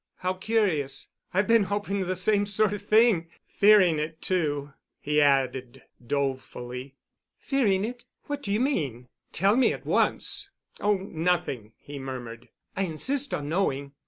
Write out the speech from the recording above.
"How curious! I've been hoping the same sort of thing—fearing it, too," he added dolefully. "Fearing it? What do you mean? Tell me at once." "Oh, nothing," he murmured. "I insist on knowing."